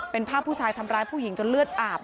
เป็นภาพผู้ชายทำร้ายผู้หญิงจนเลือดอาบ